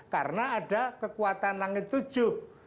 karena ada kekuatan langit tujuh